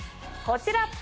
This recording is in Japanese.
こちら。